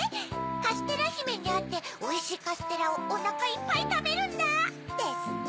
「カステラひめにあっておいしいカステラをおなかいっぱいたべるんだ」ですって。